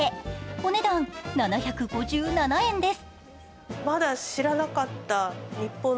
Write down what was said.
お値段７５７円です。